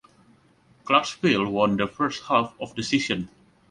Clarksville won the first half of the season.